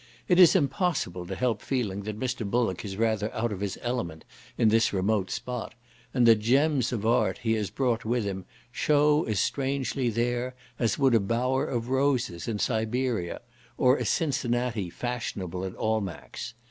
It is impossible to help feeling that Mr. Bullock is rather out of his element in this remote spot, and the gems of art he has brought with him, shew as strangely there, as would a bower of roses in Siberia, or a Cincinnati fashionable at Almack's.